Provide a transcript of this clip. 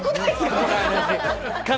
この話。